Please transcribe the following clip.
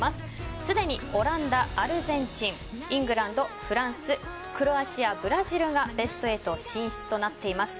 すでにオランダ、アルゼンチンイングランド、フランスクロアチア、ブラジルがベスト８進出となっています。